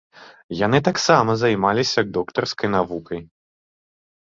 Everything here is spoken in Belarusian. Яны таксама займаліся доктарскай навукай.